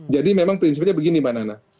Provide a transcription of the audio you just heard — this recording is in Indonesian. jadi memang prinsipnya begini manana